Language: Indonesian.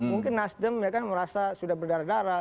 mungkin nasdem ya kan merasa sudah berdarah darah